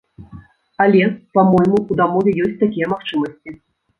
Але, па-мойму, у дамове ёсць такія магчымасці.